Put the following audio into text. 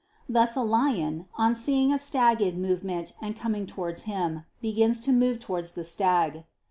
Thus a lion, on seeing a stag in movement and coming towards him, begins to be moved towards the stag.